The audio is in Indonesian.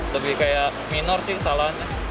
lebih kayak minor sih salahnya